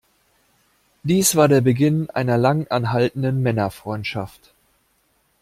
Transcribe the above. Dies war der Beginn einer lang anhaltenden Männerfreundschaft.